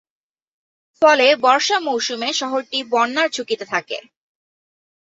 ফলে বর্ষা মৌসুমে শহরটি বন্যার ঝুঁকিতে থাকে।